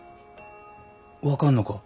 分かんのか？